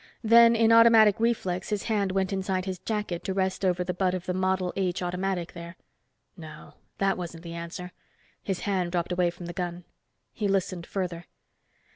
Then in automatic reflex his hand went inside his jacket to rest over the butt of the Model H automatic there. No, that wasn't the answer. His hand dropped away from the gun. He listened, further.